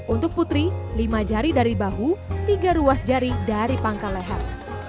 untuk putri lima jari dari bahu tiga ruas jari dari pangkal leher